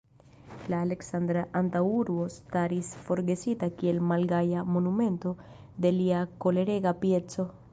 La Aleksandra antaŭurbo staris forgesita kiel malgaja monumento de lia kolerega pieco.